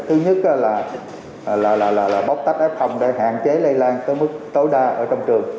thứ nhất là bóc tách f để hạn chế lây lan tới mức tối đa ở trong trường